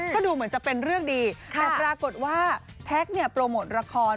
ก็ดูเหมือนจะเป็นเรื่องดีแต่ปรากฏว่าแท็กเนี่ยโปรโมทละคร